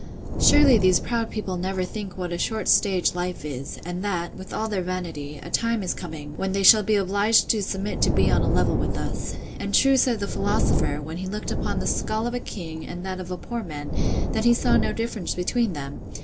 —Surely these proud people never think what a short stage life is; and that, with all their vanity; a time is coming, when they shall be obliged to submit to be on a level with us: And true said the philosopher, when he looked upon the skull of a king, and that of a poor man, that he saw no difference between them.